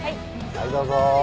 はいどうぞ。